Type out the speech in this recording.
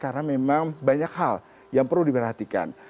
karena memang banyak hal yang perlu diperhatikan